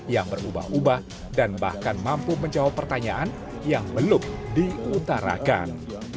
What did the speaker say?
yang berubah ubah dan bahkan mampu menjawab pertanyaan yang belum diutarakan